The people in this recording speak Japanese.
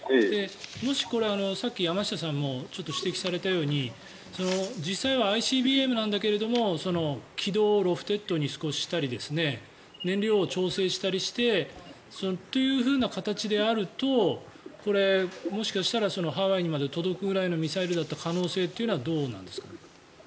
もし、さっき山下さんも指摘されたように実際はＩＣＢＭなんだけれど軌道をロフテッドにしたり燃料を調整したりしてという形であるとこれ、もしかしたらハワイに届くぐらいのミサイルだった可能性というのはどうなんですかね。